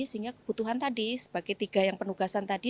sehingga kebutuhan tadi sebagai tiga yang penugasan tadi